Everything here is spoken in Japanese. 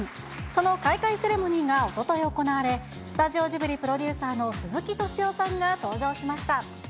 その開会セレモニーがおととい行われ、スタジオジブリプロデューサーの鈴木敏夫さんが登場しました。